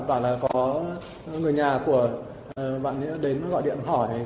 bảo là có người nhà của bạn đến gọi điện hỏi